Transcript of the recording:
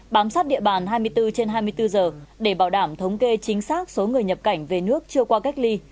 bám sát địa bàn hai mươi bốn trên hai mươi bốn giờ để bảo đảm thống kê chính xác số người nhập cảnh về nước chưa qua cách ly